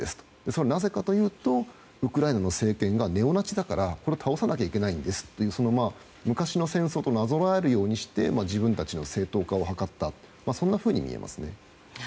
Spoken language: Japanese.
それは、なぜかというとウクライナの政権がネオナチだからこれを倒さなきゃいけないんですと昔の戦争になぞらえるようにして自分たちの正当化を図ったそんなふうにみえますね。